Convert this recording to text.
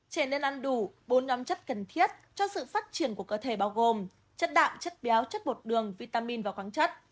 trẻ nên ăn đủ bốn nhóm chất cần thiết cho sự phát triển của cơ thể bao gồm chất đạm chất béo chất bột đường vitamin và khoáng chất